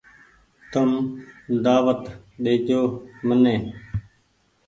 تم دآوت ڏيجو مني ۔